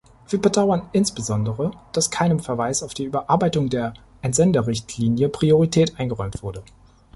Wir bedauern insbesondere, dass keinem Verweis auf die Überarbeitung der Entsenderrichtlinie Priorität eingeräumt wurde.